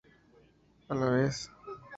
A la vez.